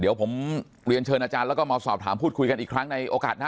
ดีหวังผมเเรียนเชิญอาจารย์แล้วสอบถามพูดคุยกันอีกครั้งในโอกาสนั้น